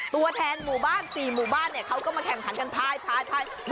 ตัวแทนหมู่บ้าน๔หมู่บ้านเขาก็มาแข่งขันกันพาย